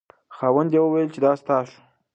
خاوند یې وویل چې دا ستا شو.